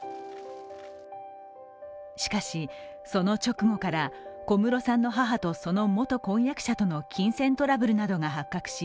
しかし、その直後から小室さんの母とその元婚約者との金銭トラブルなどが発覚し